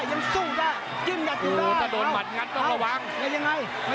ยังสู้ได้ถ้าโดนหมัดงัดต้องระวัง